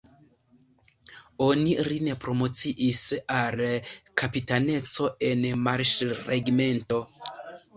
Oni lin promociis al kapitaneco en marŝregimento!